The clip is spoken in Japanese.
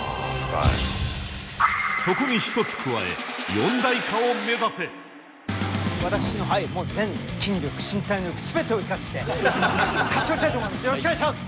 そこに１つ加え私のはいもう全筋力身体能力全てを生かして勝ち取りたいと思います。